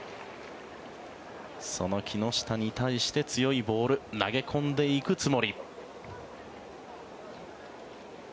その木下に対して強いボール投げ込んでいく津森。